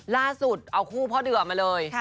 ล่าสุดเอาคู่พ่อเดือมาเลย